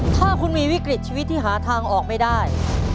ถ้าคุณมีวิกฤตชีวิตที่หาทางออกไม่ได้